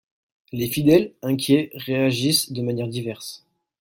Les fidèles, inquiets, réagissent de manière diverse.